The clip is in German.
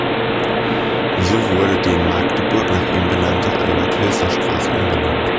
So wurde die in Magdeburg nach ihm benannte Albert-Hößler-Straße umbenannt.